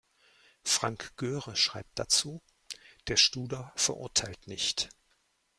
Frank Göhre schreibt dazu: «Der Studer verurteilt nicht.